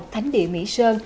thánh địa mỹ sơn